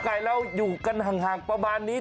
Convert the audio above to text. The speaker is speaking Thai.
หมอไก่แล้วอยู่กันห่างประมาณนี้